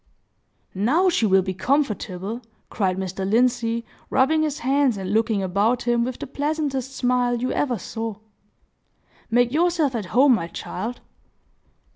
"Now she will be comfortable!" cried Mr. Lindsey, rubbing his hands and looking about him, with the pleasantest smile you ever saw. "Make yourself at home, my child."